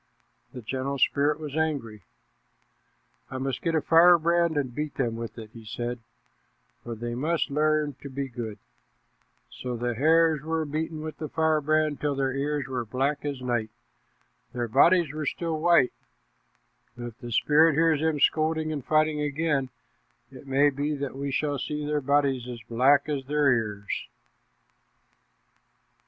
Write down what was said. The gentle spirit was angry. "I must get a firebrand and beat them with it," he said, "for they must learn to be good." So the hares were beaten with the firebrand till their ears were black as night. Their bodies were still white, but if the spirit hears them scolding and fighting again, it may be that we shall see their bodies as black as their ears.